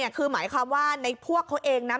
คือหมายความว่าในพวกเขาเองนะ